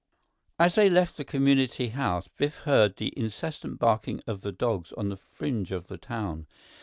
As they left the community house, Biff heard the incessant barking of the dogs on the fringe of the town.